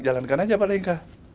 jalankan aja pak jk